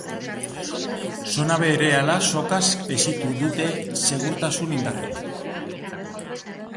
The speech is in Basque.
Zona berehala sokaz hesitu dute segurtasun indarrek.